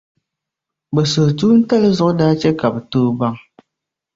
bɛ suhutuntali zuɣu daa chɛ ka bɛ bi tooi baŋ.